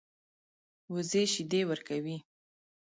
وزې شیدې ورکوي